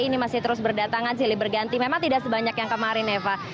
ini masih terus berdatangan silih berganti memang tidak sebanyak yang kemarin eva